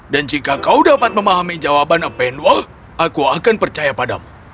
dan jika kau dapat memahami jawaban mependwa aku akan percaya padamu